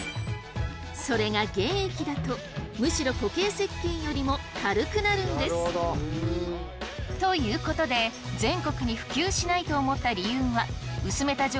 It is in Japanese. それが原液だとむしろ固形石けんよりも軽くなるんです。ということで全国に普及しないと思った理由は薄めた状態だと重くてかさばり